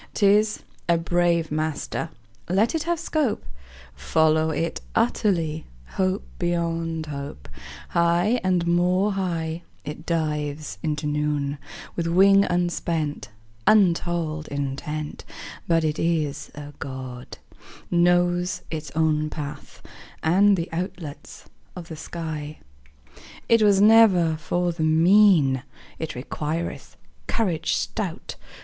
'Tis a brave master; Let it have scope: Follow it utterly, Hope beyond hope: High and more high It dives into noon, With wing unspent, Untold intent; But it is a God, Knows its own path And the outlets of the sky. It was never for the mean; It requireth courage stout.